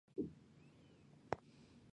照影片发布更新顺序